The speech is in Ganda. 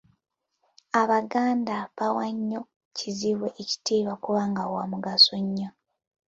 Abaganda bawa nnyo kizibwe ekitiibwa kubanga wa mugaso nnyo.